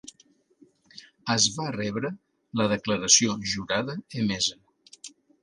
Es va rebre la declaració jurada emesa.